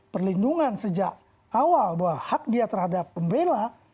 perlindungan sejak awal bahwa hak dia terhadap pembela